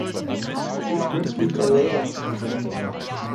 Sie ist Mitglied der Labour Party.